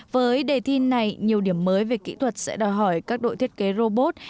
với đề thi này nhiều điểm mới về kỹ thuật sẽ đòi hỏi các đội thiết kế robot